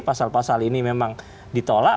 pasal pasal ini memang ditolak